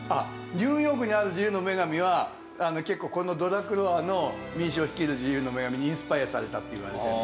ニューヨークにある『自由の女神』は結構このドラクロワの『民衆を率いる自由の女神』にインスパイアされたっていわれてる。